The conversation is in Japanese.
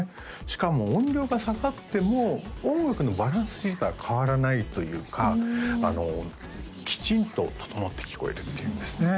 しかも音量が下がっても音楽のバランス自体は変わらないというかきちんと整って聞こえるっていうんですね